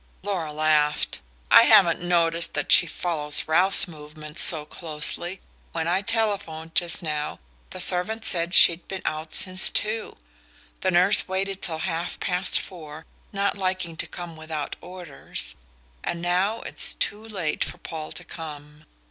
Laura laughed. "I haven't noticed that she follows Ralph's movements so closely. When I telephoned just now the servant said she'd been out since two. The nurse waited till half past four, not liking to come without orders; and now it's too late for Paul to come."